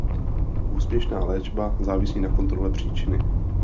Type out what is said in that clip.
Úspěšná léčba závisí na kontrole příčiny.